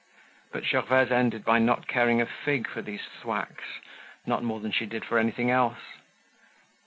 But Gervaise ended by not caring a fig for these thwacks, not more than she did for anything else.